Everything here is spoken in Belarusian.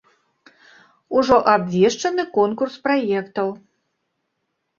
Ужо абвешчаны конкурс праектаў.